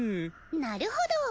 なるほど。